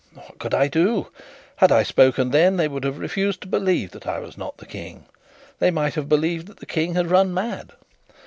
What could I do? Had I spoken then, they would have refused to believe that I was not the King; they might have believed that the King had run mad.